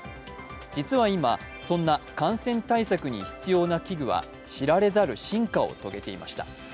実は今、そんな感染対策に必要な器具は知られざる進化を遂げていました。